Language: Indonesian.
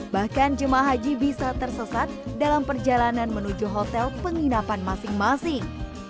bahkan jemaah haji bisa tersesat dalam perjalanan menuju hotel penginapan masing masing